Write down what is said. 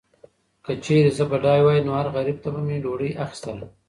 که چیرې زه بډایه وای، نو هر غریب ته به مې ډوډۍ اخیستله.